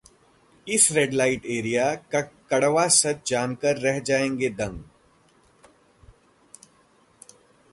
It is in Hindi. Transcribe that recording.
इस रेड लाइट एरिया का कड़वा सच जानकर रह जाएंगे दंग!